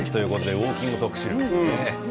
ウォーキング特集です。